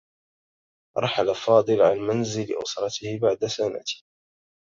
رحل فاضل عن منزل أسرته بعد سنة.